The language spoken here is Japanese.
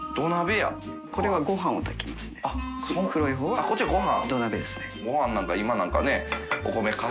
あっこっちはご飯？